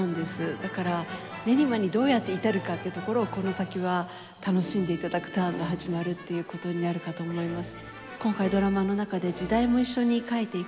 だから練馬にどうやって至るかってところをこの先は楽しんでいただくターンが始まるっていうことになるかと思います。